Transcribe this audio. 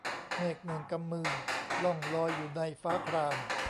เมฆหนึ่งกำมือล่องลอยอยู่ในฟ้าคราม